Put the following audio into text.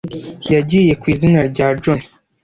Yagiye ku izina rya Johnny.